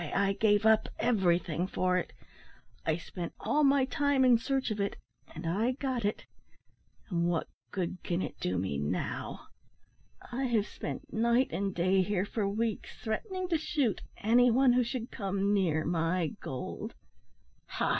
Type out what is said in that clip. I gave up everything for it; I spent all my time in search of it and I got it and what good can it do me now? I have spent night and day here for weeks, threatening to shoot any one who should come near my gold Ha!"